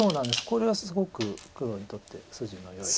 これはすごく黒にとって筋のよい。